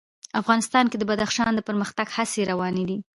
افغانستان کې د بدخشان د پرمختګ هڅې روانې دي.